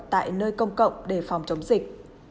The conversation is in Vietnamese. tại nơi công cộng để phòng chống dịch